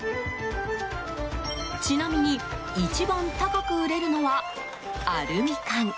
ちなみに一番高く売れるのはアルミ缶。